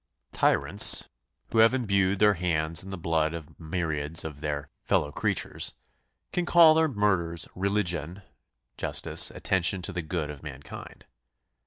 Tyrants, who have embrued their hands in the blood of myriads of their fellow creatures, can call their murders "religion, justice, attention to the good of mankind."